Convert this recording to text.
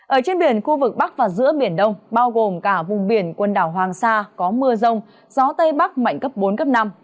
ở trên biển khu vực bắc và giữa biển đông bao gồm cả vùng biển quần đảo hoàng sa có mưa rông gió tây bắc mạnh cấp bốn cấp năm